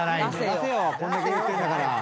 出せよこんだけ言ってんだから。